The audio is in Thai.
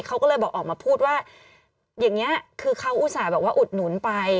เขาก็เลยบอกออกมาพูดว่าอย่างนี้คือเขาอุตส่าห์แบบว่าอุดหนุนไป